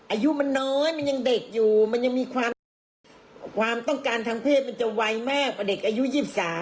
อายุมันน้อยมันยังเด็กอยู่มันยังมีความต้องการทางเพศมันจะไวมากกว่าเด็กอายุ๒๓